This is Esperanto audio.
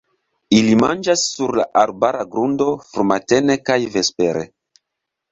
Ili manĝas sur la arbara grundo frumatene kaj vespere.